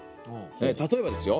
例えばですよ